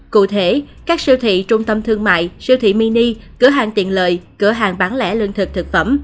cụ thể các siêu thị trung tâm thương mại siêu thị mini cửa hàng tiện lợi cửa hàng bán lẻ lương thực thực phẩm